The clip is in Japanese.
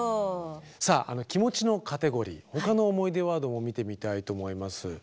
さあ「気持ち」のカテゴリー他の思い出ワードも見てみたいと思います。